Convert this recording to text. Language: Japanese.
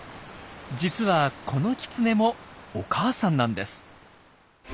実はこのキツネもお母さんなんです。